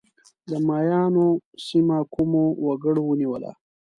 د مایایانو سیمه کومو وګړو ونیوله؟